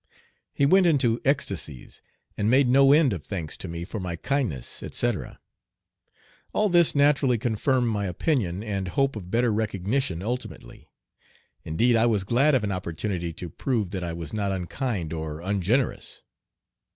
He went into ecstasies, and made no end of thanks to me for my kindness, etc. All this naturally confirmed my opinion and hope of better recognition ultimately. Indeed, I was glad of an opportunity to prove that I was not unkind or ungenerous.